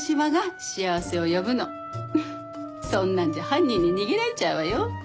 そんなんじゃ犯人に逃げられちゃうわよ。